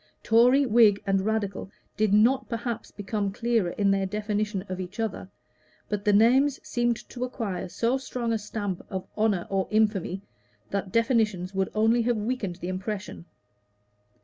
Tory, Whig, and Radical did not perhaps become clearer in their definition of each other; but the names seemed to acquire so strong a stamp of honor or infamy, that definitions would only have weakened the impression.